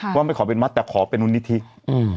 ค่ะว่าไม่ขอเป็นวัดแต่ขอเป็นอุณิธิอืม